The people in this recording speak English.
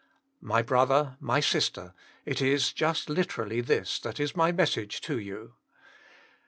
My brother, my sister, it is just liter ally this that is my message to you.